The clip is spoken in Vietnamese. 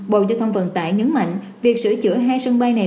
bộ giao thông vận tải nhấn mạnh việc sửa chữa hai sân bay này